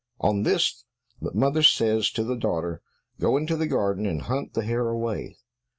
On this the mother says to the daughter, "Go into the garden, and hunt the hare away."